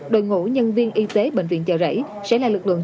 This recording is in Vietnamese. đội ngũ nhân viên y tế bệnh viện chợ rẫy sẽ là lực lượng